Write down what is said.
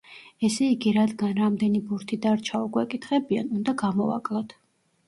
ესე იგი, რადგან რამდენი ბურთი დარჩაო გვეკითხებიან, უნდა გამოვაკლოთ.